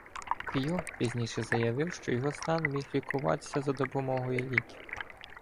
Кьо пізніше заявив, що його стан міг лікуватися за допомогою ліків.